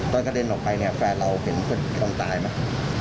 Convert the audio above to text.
ตอนกระเด็นออกไปเนี่ยแฟนเราเห็นคนตายไหม